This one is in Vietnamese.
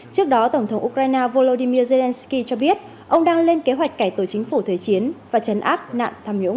trước đó tổng thống ukraine volodymyr zelensky cho biết ông đang lên kế hoạch cải tổ chính phủ thời chiến và chấn áp nạn tham nhũng